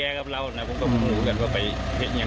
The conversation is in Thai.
เพราะว่าเพราะตัวคนยางมากเป็นกับพระเด็กของเนี่ย